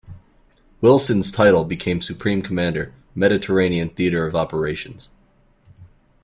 Wilson's title became Supreme Commander, Mediterranean Theater of Operations.